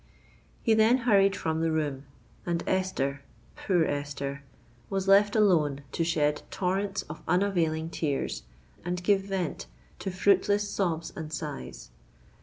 He then hurried from the room; and Esther—poor Esther! was left alone to shed torrents of unavailing tears, and give vent to fruitless sobs and sighs.